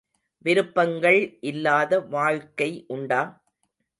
விருப்பங்கள் இல்லாத வாழ்க்கை உண்டா?